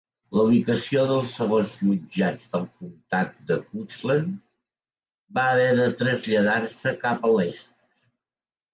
La ubicació dels segons jutjats del comtat de Goochland va haver de traslladar-se cap a l'est.